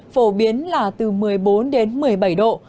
phổ biến là từ một mươi bốn đến một mươi bảy độ